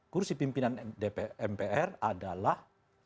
kursi pimpinan mpr adalah